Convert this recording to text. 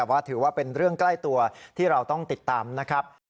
ว่าถือว่าเป็นเรื่องใกล้ตัวที่เราต้องติดตามนะครับ